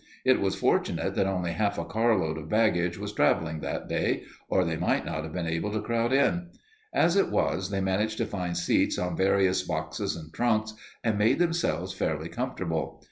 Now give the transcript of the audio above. It was fortunate that only half a car load of baggage was traveling that day, or they might not have been able to crowd in. As it was, they managed to find seats on various boxes and trunks and made themselves fairly comfortable.